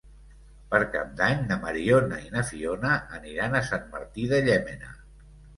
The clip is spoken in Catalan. Per Cap d'Any na Mariona i na Fiona aniran a Sant Martí de Llémena.